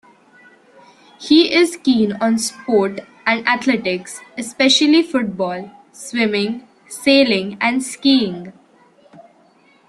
He is keen on sport and athletics, especially football, swimming, sailing and skiing.